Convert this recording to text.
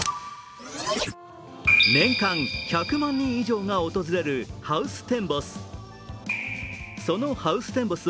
年間１００万人以上が訪れるハウステンボス。